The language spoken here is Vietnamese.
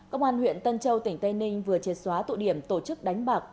công an huyện tân châu tỉnh tây ninh vừa triệt xóa tụ điểm tổ chức đánh bạc